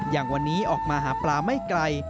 อย่างวันนี้ออกมาหาปลาไม่ไกล